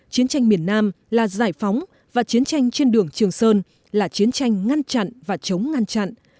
chiến tranh miền nam là giải phóng và chiến tranh trên đường trường sơn là chiến tranh ngăn chặn và chống ngăn chặn